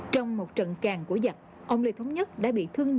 trong một trận càng của giặc ông lê thống nhất đã bị thương nặng